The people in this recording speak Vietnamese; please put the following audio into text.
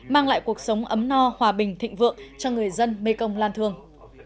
mang lại cuộc sống ấm no hòa bình thịnh vượng cho người dân mekong lan thương